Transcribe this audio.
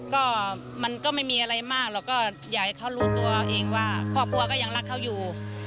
ก็มันก็ไม่มีอะไรมากหรอกก็อยากให้เขารู้ตัวเองว่าครอบครัวก็ยังรักเขาอยู่